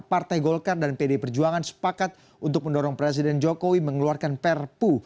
partai golkar dan pd perjuangan sepakat untuk mendorong presiden jokowi mengeluarkan perpu